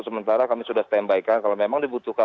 sementara kami sudah stand by kan kalau memang dibutuhkan